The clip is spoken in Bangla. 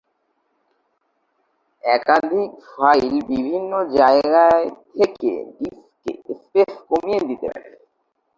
একাধিক ফাইল বিভিন্ন জায়গায় থেকে ডিস্কে স্পেস কমিয়ে দিতে পারে।